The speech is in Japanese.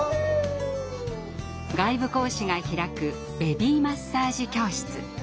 外部講師が開くベビーマッサージ教室。